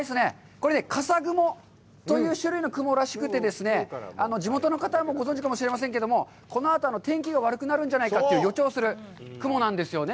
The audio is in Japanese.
これね、笠雲という種類の雲らしくて、地元の方もご存じかもしれませんけれども、このあと、天気が悪くなるんじゃないかという予兆する雲なんですよね。